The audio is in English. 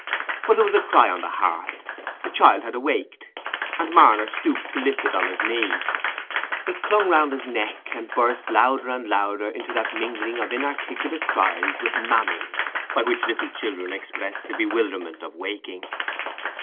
But there was a cry on the hearth: the child had awaked, and Marner stooped to lift it on his knee. It clung round his neck, and burst louder and louder into that mingling of inarticulate cries with "mammy" by which little children express the bewilderment of waking.